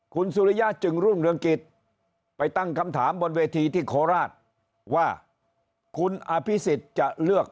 คุณสุริยะจึงรุ่งเรืองกิจไปตั้งคำถามบนเวทีที่โคราชว่าคุณอภิษฎจะเลือก